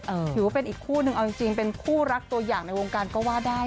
ถือว่าเป็นอีกคู่นึงเอาจริงเป็นคู่รักตัวอย่างในวงการก็ว่าได้